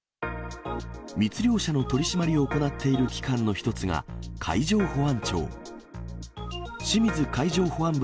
密漁者の取締りを行っている機関の一つが、海上保安庁。